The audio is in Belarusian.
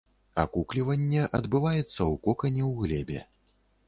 Акукліванне адбываецца ў кокане ў глебе.